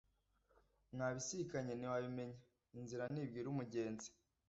mwabisikanye ntiwabimenya, inzira ntibwira umugenzi